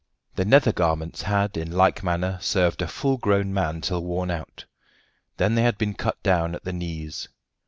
The nether garments had, in like manner, served a full grown man till worn out; then they had been cut down at the knees.